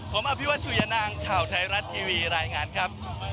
ผมอภิวัตสุยนางข่าวไทยรัฐทีวีรายงานครับ